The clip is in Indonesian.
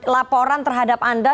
laporan terhadap anda